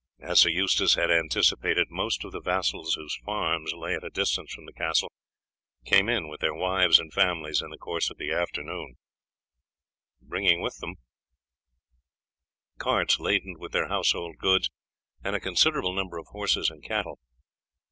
As Sir Eustace had anticipated, most of the vassals whose farms lay at a distance from the castle came in with their wives and families in the course of the afternoon, bringing carts laden with their household goods, and a considerable number of horses and cattle.